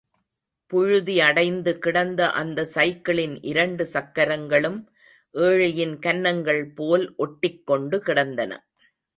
புழுதியடைந்து கிடந்த அந்த சைக்கிளின் இரண்டு சக்கரங்களும் ஏழையின் கன்னங்கள் போல் ஒட்டிக் கொண்டு கிடந்தன.